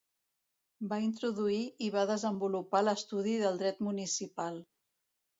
Va introduir i va desenvolupar l'estudi del dret municipal.